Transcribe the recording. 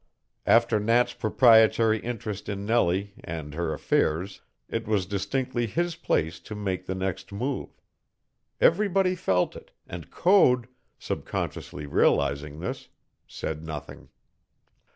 After Nat's proprietary interest in Nellie and her affairs it was distinctly his place to make the next move. Everybody felt it, and Code, subconsciously realizing this, said nothing.